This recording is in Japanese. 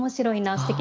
すてき。